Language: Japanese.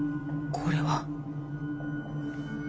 これは！